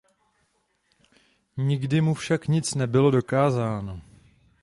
Nikdy mu však nic nebylo dokázáno.